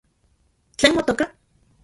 ¿Tlen motoka?